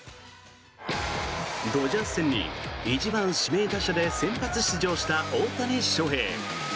ドジャース戦に１番指名打者で先発出場した大谷翔平。